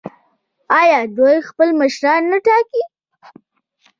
آیا دوی خپل مشران نه ټاکي؟